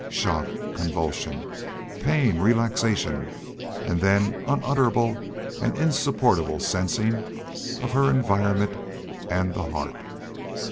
Shock, convulsion, pain, relaxation, and then unutterable and insupportable sensing of her environment and the heart!